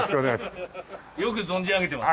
よく存じ上げています。